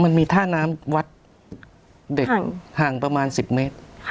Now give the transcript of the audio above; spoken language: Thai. มันมีท่าน้ำวัดเด็กห่างประมาณ๑๐เมตร